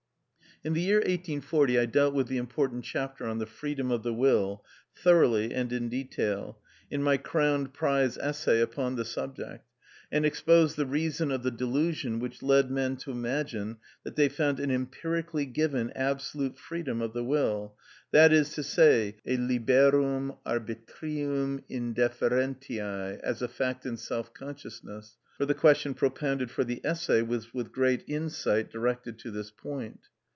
In the year 1840 I dealt with the important chapter on the freedom of the will, thoroughly and in detail, in my crowned prize essay upon the subject, and exposed the reason of the delusion which led men to imagine that they found an empirically given absolute freedom of the will, that is to say, a liberum arbitrium indifferentiæ, as a fact in self consciousness; for the question propounded for the essay was with great insight directed to this point.